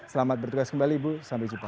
selamat bertugas kembali ibu sampai jumpa